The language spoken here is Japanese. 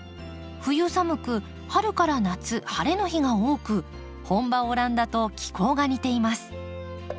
冬寒く春から夏晴れの日が多く本場オランダと気候が似ています。